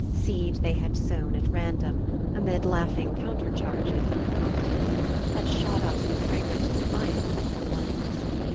Seed they had sown at random amid laughing counter charges of incompetence had shot up in fragrant defiance of their blunders.